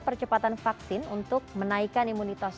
percepatan vaksin untuk menaikkan imunitas